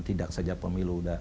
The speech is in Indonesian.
tidak saja pemilu